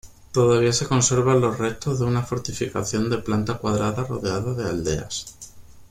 Todavía se observan los restos de una fortificación de planta cuadrada rodeada de aldeas.